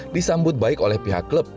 disambut baik oleh pihak klub